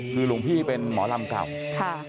คือหลวงพี่เป็นหมอลำเก่าค่ะ